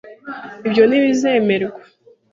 Ibyo ntibizemerwa.